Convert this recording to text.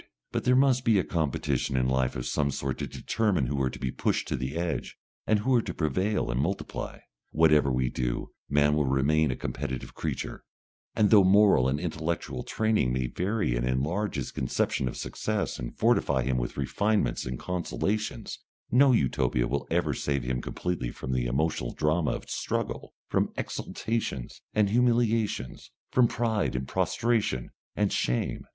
But there must be a competition in life of some sort to determine who are to be pushed to the edge, and who are to prevail and multiply. Whatever we do, man will remain a competitive creature, and though moral and intellectual training may vary and enlarge his conception of success and fortify him with refinements and consolations, no Utopia will ever save him completely from the emotional drama of struggle, from exultations and humiliations, from pride and prostration and shame.